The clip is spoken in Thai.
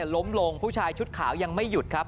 ล้มลงผู้ชายชุดขาวยังไม่หยุดครับ